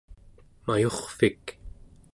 mayurrvik